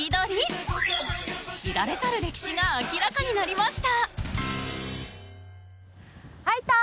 知られざる歴史が明らかになりました。